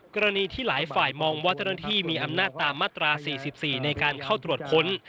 กรณีที่หลายฝ่ายมองว่าเจ้าหน้าที่มีอำนาจตามมาตรา๔๔ในการเข้าตรวจค้น